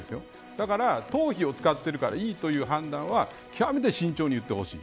だから党費を使っているからいいという判断は極めて慎重に言ってほしい。